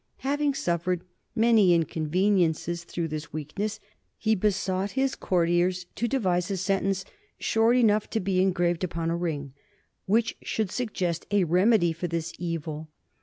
Having suffered many inconveniences through this weakness, he besought his courtiers to devise a sentence, short enough to be engraved upon a ring, which should suggest a remedy for his evil.